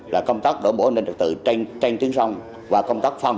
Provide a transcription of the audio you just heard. và khi chương trình kết thúc toàn bộ tàu trực tạo khảnh an toàn